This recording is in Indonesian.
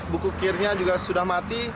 buku kirnya juga sudah mati